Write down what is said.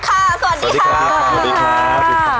สวัสดีครับ